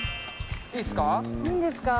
いいですか？